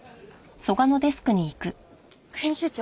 編集長。